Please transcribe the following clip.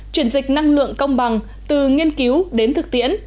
chuyển dịch năng lượng công bằng từ nghiên cứu đến thực tiễn